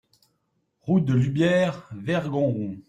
Route de Lubières, Vergongheon